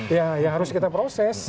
ya yang harus kita proses